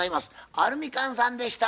アルミカンさんでした。